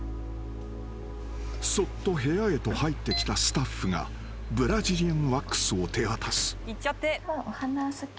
［そっと部屋へと入ってきたスタッフがブラジリアンワックスを手渡す］